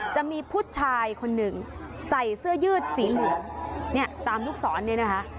จะมีผู้ชายคนหนึ่งใส่เสื้อยืดสีเหลืองเนี่ยตามลูกศรเนี่ยนะคะ